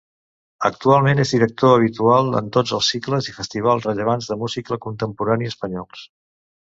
Actualment és director habitual en tots els cicles i festivals rellevants de música contemporània espanyols.